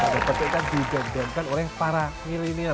berarti kan diidam idamkan orang yang para milenial